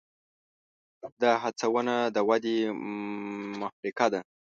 دا هڅونه د ودې محرکه ده.